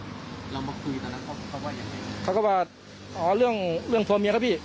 เรามาคุยกันแล้วเขาว่ายังไงเขาก็ว่าอ๋อเรื่องเรื่องผัวเมียครับพี่